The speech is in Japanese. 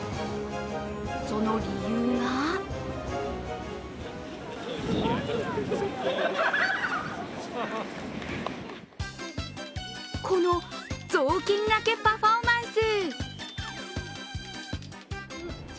その理由がこの雑巾がけパフォーマンス。